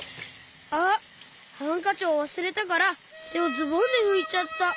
あっハンカチをわすれたからてをズボンでふいちゃった！